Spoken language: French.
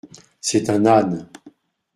C’est un âne !